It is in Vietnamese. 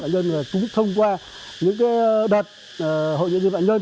phạm nhân cũng thông qua những đợt hội nhân dân phạm nhân